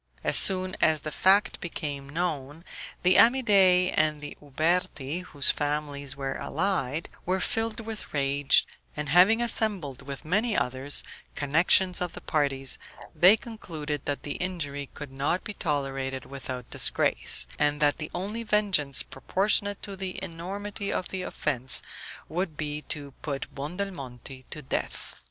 As soon as the fact became known, the Amidei and the Uberti, whose families were allied, were filled with rage, and having assembled with many others, connections of the parties, they concluded that the injury could not be tolerated without disgrace, and that the only vengeance proportionate to the enormity of the offence would be to put Buondelmonti to death.